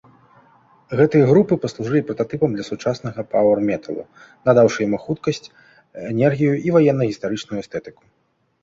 Гэтыя групы паслужылі прататыпам для сучаснага паўэр-металу, надаўшы яму хуткасць, энергію і ваенна-гістарычную эстэтыку.